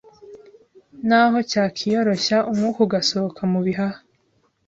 naho cyakiyoroshya umwuka ugasohoka mu bihaha.